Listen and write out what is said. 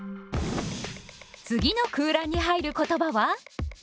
次の空欄に入る言葉は？